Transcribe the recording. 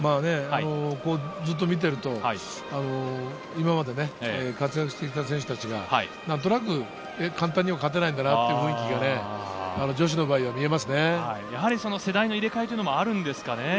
ずっと見てると、今まで活躍してきた選手たちが何となく簡単には勝てないんだなという雰囲気が世代の入れ替えもあるんですかね。